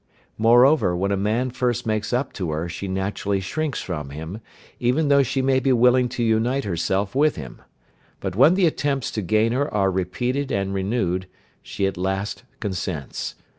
Moreover, when a man first makes up to her she naturally shrinks from him, even though she may be willing to unite herself with him. But when the attempts to gain her are repeated and renewed, she at last consents.